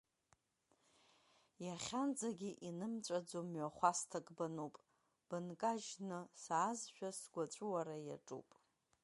Иахьанӡагьы инымҵәаӡо мҩахәасҭак бануп, бынкажьны саазшәа сгәы аҵәыуара иаҿуп.